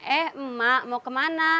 eh emak mau kemana